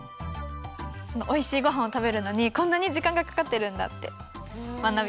おいしいごはんをたべるのにこんなにじかんがかかってるんだってまなびました。